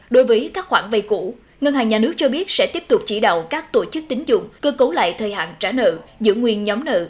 đối với các khoản vay cũ ngân hàng nhà nước cho biết sẽ tiếp tục chỉ đạo các tổ chức tính dụng cơ cấu lại thời hạn trả nợ giữ nguyên nhóm nợ